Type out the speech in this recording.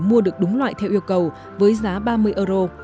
nếu không được đúng loại theo yêu cầu với giá ba mươi euro